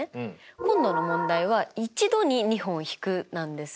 今度の問題は「１度に２本引く」なんです。